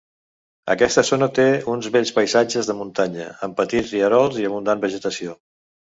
Aquesta zona té uns bells paisatges de muntanya, amb petits rierols i abundant vegetació.